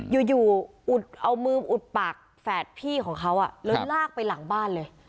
อยู่อุดเอามืออุดปากแฝดพี่ของเขาแล้วลากไปหลังบ้านเลย